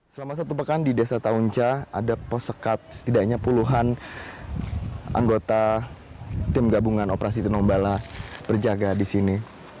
selama satu pekan di desa taunca ada pos sekat setidaknya puluhan anggota tim gabungan operasi tinombala berjaga di sini